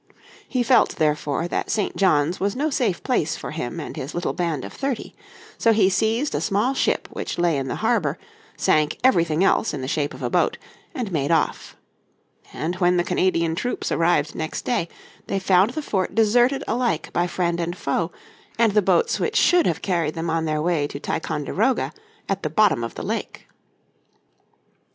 He felt therefore that St. John's was no safe place for him and his little band of thirty. So he seized a small ship which lay in the harbour, sank everything else in the shape of a boat, and made off. And when the Canadian troops arrived next day they found the fort deserted alike by friend and foe, and the boats which should have carried them on their way to Ticonderoga at the bottom of the lake.